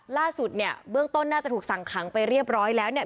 ล่าสุดเนี่ยเบื้องต้นน่าจะถูกสั่งขังไปเรียบร้อยแล้วเนี่ย